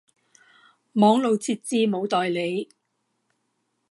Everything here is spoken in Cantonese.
網路設置冇代理